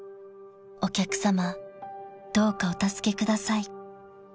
［「お客さまどうかお助けください」］